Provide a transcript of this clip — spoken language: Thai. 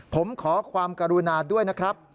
ผมขอความกรุณาด้วยนะครับ